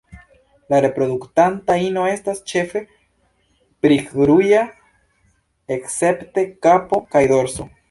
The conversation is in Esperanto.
La reproduktanta ino estas ĉefe brik-ruĝa escepte kapo kaj dorso.